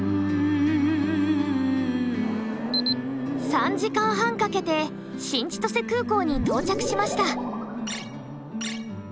３時間半かけて新千歳空港に到着しました。